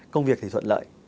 công việc thì thuận lợi